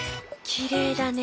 きれいだね。